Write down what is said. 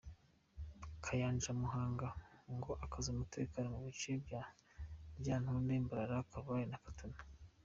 Kayanja Muhanga ngo akaze umutekano mu bice bya Lyantonde, Mbarara, Kabale na Katuna.